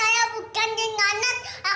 akar saya bukan dengan anak